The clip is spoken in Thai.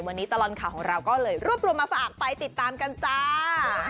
วันนี้ตลอดข่าวของเราก็เลยรวบรวมมาฝากไปติดตามกันจ้า